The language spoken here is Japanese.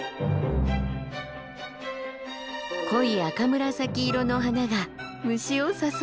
濃い赤紫色の花が虫を誘ってる。